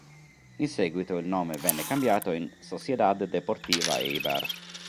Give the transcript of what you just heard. In seguito il nome venne cambiato in "Sociedad Deportiva Eibar".